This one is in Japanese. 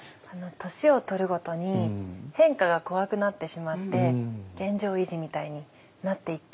年を取るごとに変化が怖くなってしまって現状維持みたいになっていっちゃうんですよね。